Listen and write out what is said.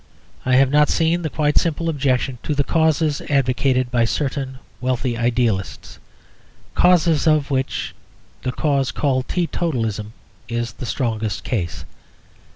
I have not seen the quite simple objection to the causes advocated by certain wealthy idealists; causes of which the cause called teetotalism is the strongest case.